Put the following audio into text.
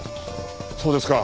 そうですか。